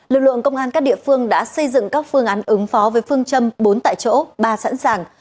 lực lượng công an các địa phương đã xây dựng các phương án ứng phó với phương châm bốn tại chỗ ba sẵn sàng